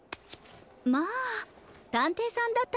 まあたんていさんだったんですね。